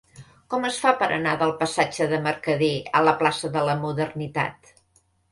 Com es fa per anar del passatge de Mercader a la plaça de la Modernitat?